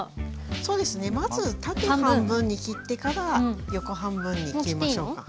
そうですねまず縦半分に切ってから横半分に切りましょうか。